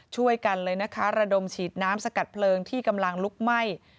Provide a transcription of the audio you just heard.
ช่วยกันเลยนะคะระดมฉีดน้ำสกัดเพลิงที่กำลังลุกไหม้